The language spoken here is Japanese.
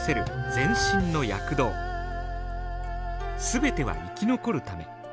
全ては生き残るため。